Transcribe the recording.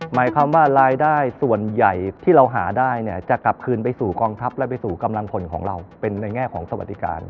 หมายความว่ารายได้ส่วนใหญ่ที่เราหาได้เนี่ยจะกลับคืนไปสู่กองทัพและไปสู่กำลังผลของเราเป็นในแง่ของสวัสดิการ